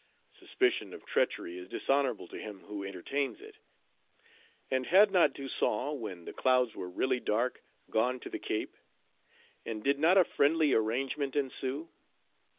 Suspicion of treachery is dishonorable to him who entertains it. And had not Toussaint, when the clouds were really dark, gone to the Cape? And did not a friendly arrangement ensue?